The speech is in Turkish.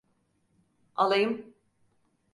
Alayım.